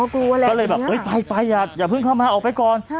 ก็เลยแบบไปอย่าเพิ่งเข้ามาออกไปก่อน